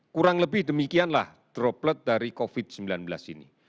kurang lebih demikianlah droplet dari covid sembilan belas ini